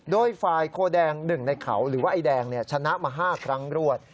โดยฝ่ายโคแดง๑ในเขาหรือว่าไอ้แดงชนะมา๕ครั้งรวด